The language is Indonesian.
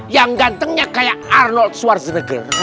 yang gantengnya kayak arnold suarsineger